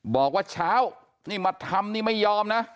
บอกว่าเช้านี่มาทำนี่ไม่ยอมนะ